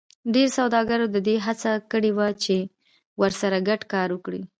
ډېرو سوداګرو د دې هڅه کړې وه چې ورسره ګډ کار وکړي